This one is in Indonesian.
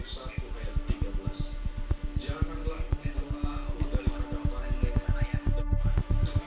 dua puluh satu tiga belas jalanan pelatihan melalui dari kedotoran di mana yang terbanyak